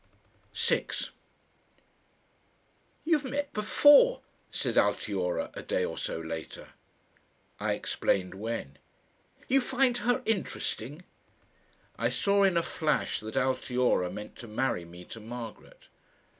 6 "You've met before?" said Altiora, a day or so later. I explained when. "You find her interesting?" I saw in a flash that Altiora meant to marry me to Margaret.